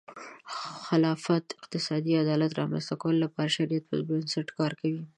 خلافت د اقتصادي عدالت رامنځته کولو لپاره د شریعت پر بنسټ کار کوي.